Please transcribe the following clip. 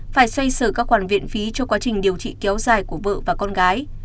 phải xoay sở các khoản viện phí cho quá trình điều trị kéo dài của vợ và con gái